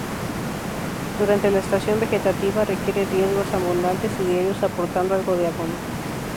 Durante la estación vegetativa requiere riegos abundantes y diarios, aportando algo de abono.